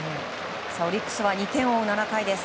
オリックスは２点を追う７回です。